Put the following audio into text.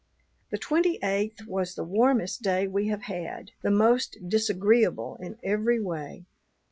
The twenty eighth was the warmest day we have had, the most disagreeable in every way.